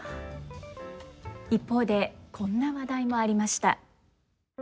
一方でこんな話題もありました。